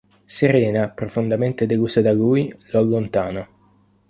Serena, profondamente delusa da lui, lo allontana.